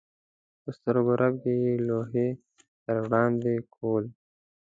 په سترګو رپ کې یې لوښي در وړاندې کول.